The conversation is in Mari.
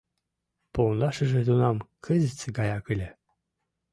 Пондашыже тунам кызытсе гаяк ыле.